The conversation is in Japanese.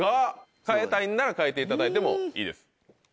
変えたいんなら変えていただいてもいいです。